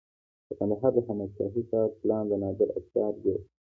د کندهار د احمد شاهي ښار پلان د نادر افشار جوړ کړ